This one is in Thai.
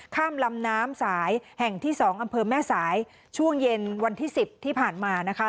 ข้ามลำน้ำสายแห่งที่๒อำเภอแม่สายช่วงเย็นวันที่สิบที่ผ่านมานะคะ